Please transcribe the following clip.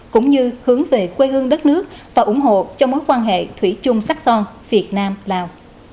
cũng như hướng về quê hương đất nước và ủng hộ cho mối quan hệ thủy chung sắc son việt nam lào